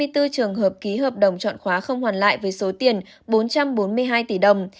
hai mươi bốn trường hợp ký hợp đồng chọn khóa không hoàn lại với số tiền bốn trăm bốn mươi hai tỷ đồng